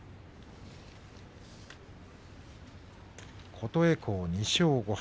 琴恵光２勝５敗。